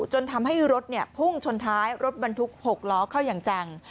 จนทำให้รถพุ่งชนท้ายรถบรรทุก๖ล้อเข้าอย่างจัง